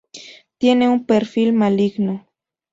Tiene un perfil maligno.